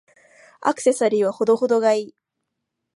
アクセサリーは程々が良い。